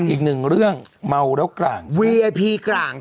อีกหนึ่งเรื่องเมาแล้วกร่าง